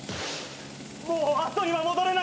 もう後には戻れない。